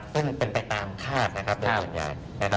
ซึ่งเป็นไปตามคาดนะครับเดือนส่วนใหญ่